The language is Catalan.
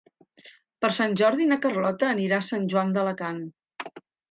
Per Sant Jordi na Carlota anirà a Sant Joan d'Alacant.